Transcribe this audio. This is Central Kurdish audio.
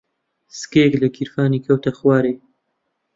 سکەیەک لە گیرفانی کەوتە خوارێ.